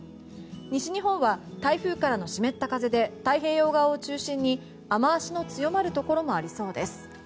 西日本は台風からの湿った風で太平洋側を中心に雨脚の強まるところもありそうです。